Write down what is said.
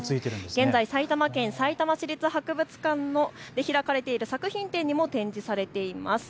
現在、埼玉県狭山市立博物館で開かれている作品展にも展示されています。